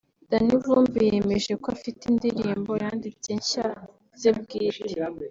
Danny Vumbi yemeje ko afite indirimbo yanditse nshya ze bwite